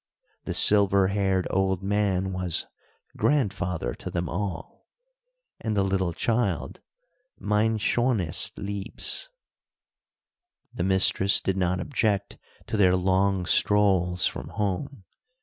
The silver haired old man was "grandfather" to them all, and the little child "mein schonest liebes." The mistress did not object to their long strolls from home.